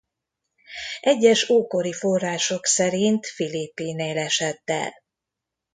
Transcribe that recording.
Egyes ókori források szerint Philippinél esett el.